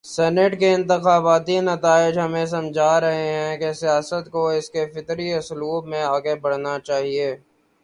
Senate کے انتخاباتی نتائج ہمیں سمجھا رہے ہیں کہ سیاست کو اس کے فطری اسلوب میں آگے بڑھنا چاہیے۔